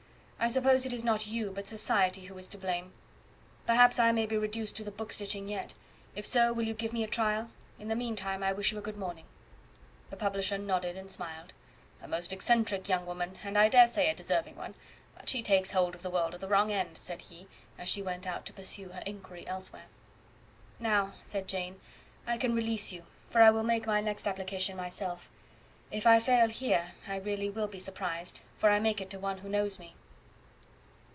I suppose it is not you, but society who is to blame. Perhaps I may be reduced to the book stitching yet; if so, will you give me a trial? In the meantime, I wish you good morning." The publisher smiled and nodded. "A most eccentric young woman, and, I daresay, a deserving one; but she takes hold of the world at the wrong end," said he, as she went out to pursue her inquiry elsewhere. "Now," said Jane, "I can release you, for I will make my next application myself. If I fail here I really will be surprised, for I make it to one who knows me."